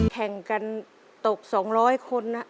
แข่งกันตกสองร้อยคนอ่ะ